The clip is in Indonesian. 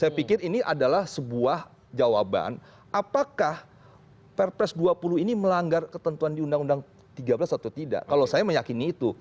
saya pikir ini adalah sebuah jawaban apakah perpres dua puluh ini melanggar ketentuan di undang undang tiga belas atau tidak kalau saya meyakini itu